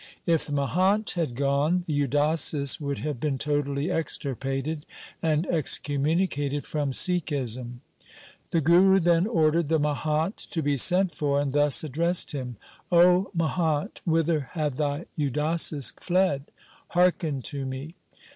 If the mahant had gone, the Udasis LIFE OF GURU GOBIND SINGH 35 would have been totally extirpated, and excommu nicated from Sikhism.' The Guru then ordered the mahant to be sent for, and thus addressed him :' O mahant, whither have thy Udasis fled ? Hearken to me.